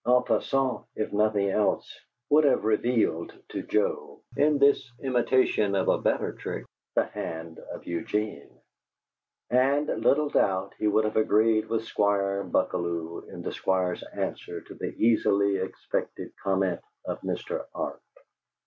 "En passant," if nothing else, would have revealed to Joe, in this imitation of a better trick, the hand of Eugene. And, little doubt, he would have agreed with Squire Buckalew in the Squire's answer to the easily expected comment of Mr. Arp.